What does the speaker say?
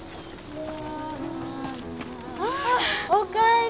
ああおかえり。